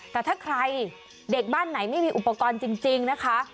แต่ถ้าใครเด็กบ้านไหนไม่มีอุปกรณ์จริงนะคะ